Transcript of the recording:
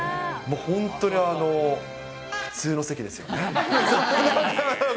もう本当に、普通の席ですよね。